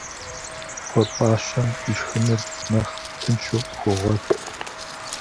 Кхъуэпӏащэм ишхынур нэхъ тыншу къыхуогъуэт.